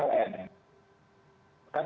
kan ini tidak bisa dijadikan